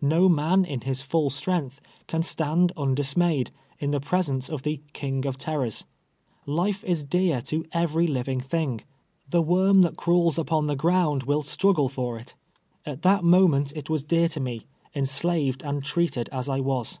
Xo man, in his full strength, can stand undismayed, in the presence of the " king of terrors." Life is dear to every living thing; the TEMrTATION TO aiUKDER TIBEATS. 135 ■worm tliat crawls upon the ground will struggle for it. At tluit moineut it was dear to me, enslaved and treated as I was.